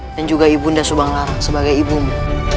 dan juga ibu nda subang lara sebagai ibumu